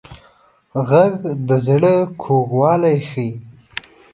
غږ د زړه کوږوالی ښيي